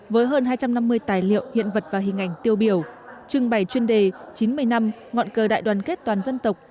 với hơn hai trăm năm mươi tài liệu hiện vật và hình ảnh tiêu biểu trưng bày chuyên đề chín mươi năm ngọn cờ đại đoàn kết toàn dân tộc